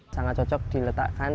sangat cocok diletakkan